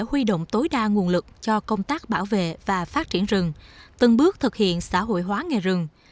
công tác này sẽ huy động tối đa nguồn lực cho công tác bảo vệ và phát triển rừng từng bước thực hiện xã hội hóa nghề rừng